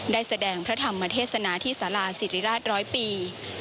ได้แสดงพระธรรมเทศนาที่สาราศิริราชร้อยปี